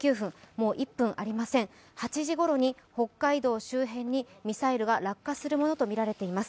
もう１分ありません、８時ごろに北海道周辺にミサイルが落下するものと見られています。